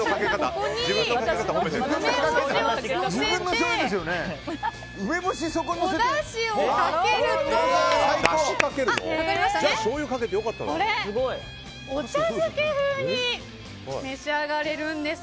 これ、お茶漬け風に召し上がれるんです。